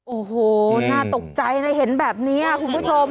โอ้โหน่าตกใจนะเห็นแบบนี้คุณผู้ชม